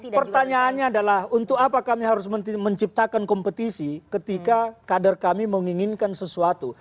nah pertanyaannya adalah untuk apa kami harus menciptakan kompetisi ketika kader kami menginginkan sesuatu